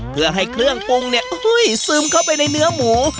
เพื่อให้เครื่องปรุงเนี่ยซึมเข้าไปในเนื้อหมู